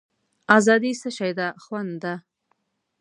آزادي څه شی ده خوند دی.